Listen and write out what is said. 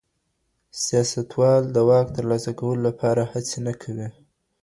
سياستوال د واک ترلاسه کولو لپاره هڅي نه کوي.